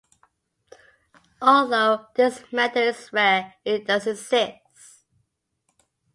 Although this method is rare, it does exist.